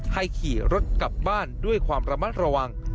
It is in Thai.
ขี่รถกลับบ้านด้วยความระมัดระวัง